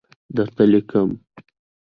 درته لیکمه